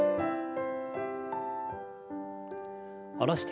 下ろして。